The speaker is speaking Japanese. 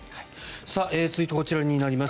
続いて、こちらになります。